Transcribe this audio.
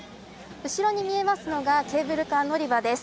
後ろに見えますのがケーブルカー乗り場です。